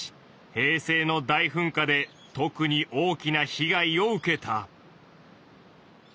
平成の大噴火で特に大きな被害を受けた。